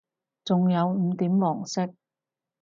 仲有五點黃色